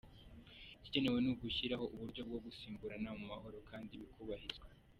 Igikenewe ni ugushyiraho uburyo bwo gusimburana mu mahoro kandi bikubahirizwa.